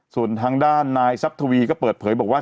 ส่วนทางด้านนายซับทวีก็เปิดเผยบอกว่า